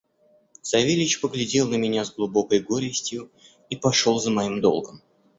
Савельич поглядел на меня с глубокой горестью и пошел за моим долгом.